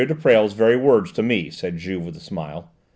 de Presles' very words to me," said Juve with a smile.